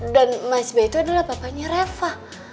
dan mas b itu adalah bapaknya reva